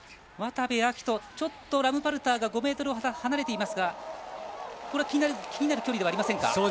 渡部暁斗、ちょっとラムパルターとは５ｍほど離れていますが気になる距離ではありませんか？